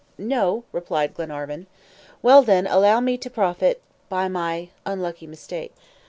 "No," replied Glenarvan. "Well, then, allow me to profit by my unlucky mistake.